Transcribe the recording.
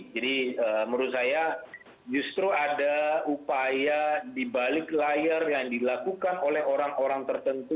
jadi menurut saya justru ada upaya dibalik layar yang dilakukan oleh orang orang tertentu